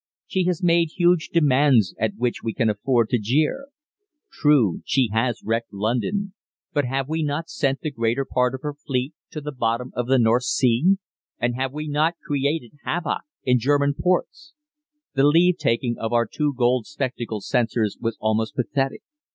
She has made huge demands at which we can afford to jeer. True, she has wrecked London, but have we not sent the greater part of her fleet to the bottom of the North Sea, and have we not created havoc in German ports? "The leave taking of our two gold spectacled censors was almost pathetic.